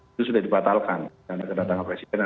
itu sudah dibatalkan dan kedatangan presiden